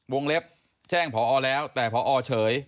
เล็บแจ้งพอแล้วแต่พอเฉย